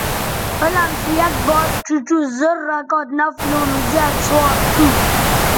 علم سویک باب ڇھیڇوزررکعت نفلوں نو زیات ثواب تھو